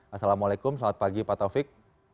assalamualaikum selamat pagi pak taufik